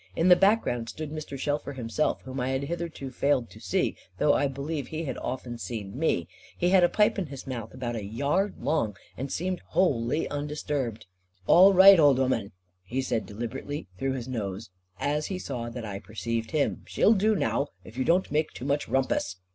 In the background stood Mr. Shelfer himself, whom I had hitherto failed to see, though I believe he had seen me often. He had a pipe in his mouth about a yard long, and seemed wholly undisturbed. "All right, old 'ooman," he said deliberately through his nose, as he saw that I perceived him, "she'll do now, if you don't make too much rumpus."